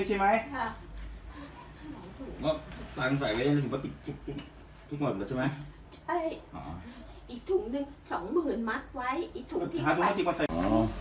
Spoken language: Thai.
สวัสดีทุกคน